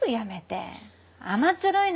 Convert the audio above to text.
甘っちょろいのよ。